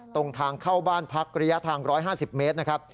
ตรงทางเข้าบ้านพักระยะทาง๑๕๐เมตรนะครับ